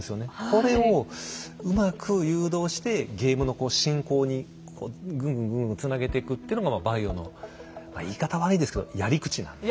これをうまく誘導してゲームの進行にこうぐんぐんぐんぐんつなげていくっていうのがまあ「バイオ」の言い方悪いですけどやり口なんで。